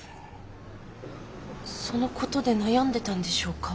そのことで悩んでたんでしょうか。